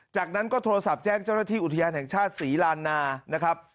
จากนั้นก็โทรศัพท์แจ้งเจ้าหน้าที่อุทยานแห่งชาติศรีลานานะครับ